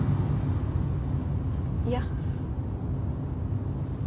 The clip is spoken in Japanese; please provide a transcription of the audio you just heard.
いや。